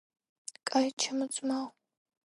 კაი ჩემო ძმაო